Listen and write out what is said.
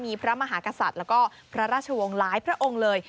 มีพระมหากษัตริย์แล้วก็พระราชวงศ์หลายพระองค์เลย